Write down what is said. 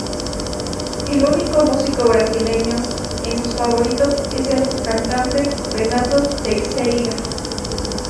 El único músico brasileño en sus favoritos es el cantante Renato Teixeira.